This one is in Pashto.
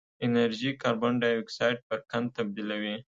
انرژي کاربن ډای اکسایډ پر قند تبدیلوي.